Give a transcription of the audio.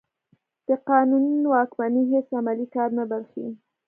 د قانون واکمني هېڅ عملي کار نه برېښي.